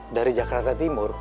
dari jakarta timur